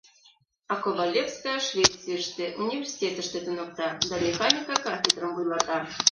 — А Ковалевская Швецийыште университетыште туныкта да механика кафедрым вуйлата!